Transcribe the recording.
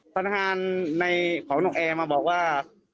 ฝนทางของนกแอร์มาบอกว่า